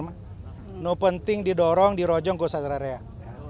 tidak penting didorong dirojong ke usaha terakhir